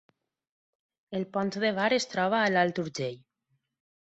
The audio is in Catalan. El Pont de Bar es troba a l’Alt Urgell